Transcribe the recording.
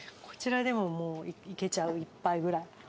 こちらでももういけちゃう１杯くらい。